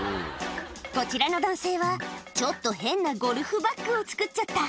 こちらの男性は、ちょっと変なゴルフバッグを作っちゃった。